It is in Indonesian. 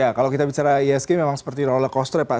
ya kalau kita bicara isk memang seperti rollercoaster ya pak